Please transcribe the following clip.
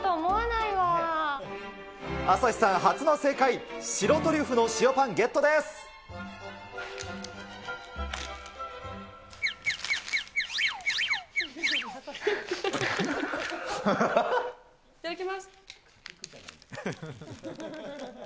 いただきます。